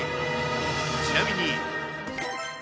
ちなみに。